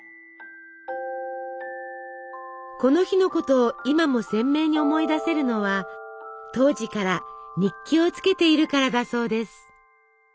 この日のことを今も鮮明に思い出せるのは当時から日記をつけているからだそうです。